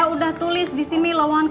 bisa terimakasih ya mbak